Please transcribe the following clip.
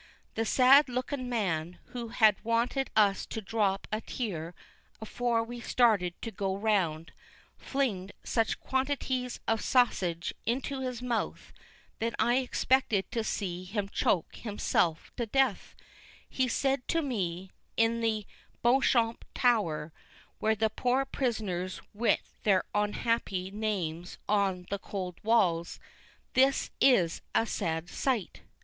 The sad lookin man, who had wanted us to drop a tear afore we started to go round, fling'd such quantities of sassige into his mouth that I expected to see him choke hisself to death; he said to me, in the Beauchamp Tower, where the poor prisoners writ their onhappy names on the cold walls, "This is a sad sight."